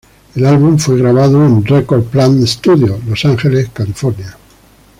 El álbum fue grabado en Record Plant Studios, Los Angeles, California.